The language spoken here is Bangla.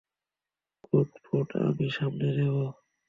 কোড-ফোড আমি সামলে নেবো।